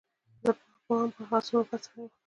زما په پام هغه څومره بد سړى و.